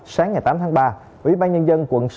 sáng ngày tám tháng ba ubnd quận sáu